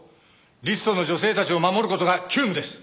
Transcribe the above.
リストの女性たちを守る事が急務です。